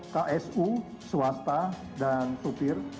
ksu swasta dan supir